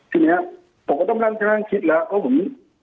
ทีนี้ผมก็ต้องลั่งข้างคิดแล้วเพราะผม